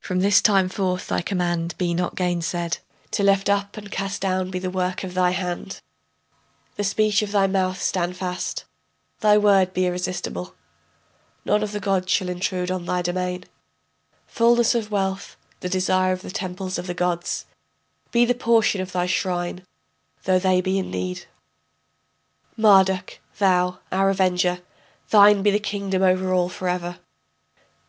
From this time forth thy command be not gainsaid; To lift up and cast down be the work of thy hand; The speech of thy mouth stand fast, thy word be irresistible, None of the gods shall intrude on thy domain, Fullness of wealth, the desire of the temples of the gods, Be the portion of thy shrine, though they be in need. Marduk, thou, our avenger, Thine be the kingdom over all forever.